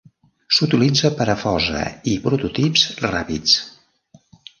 S'utilitza per a fosa i prototips ràpids.